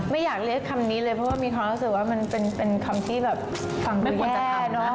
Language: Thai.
ไม่อยากเรียกคำนี้เลยเพราะว่ามีคนรู้สึกว่ามันเป็นคำที่ฟังตัวแย่